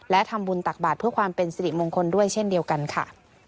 และทำบุญตักบาทเพื่อความเป็นสิริมงคลด้วยเช่นเดียวกันค่ะ